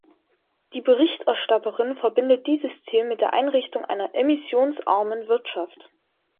Die Berichterstatterin verbindet dieses Ziel mit der Einrichtung einer emissionsarmen Wirtschaft.